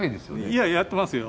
いややってますよ。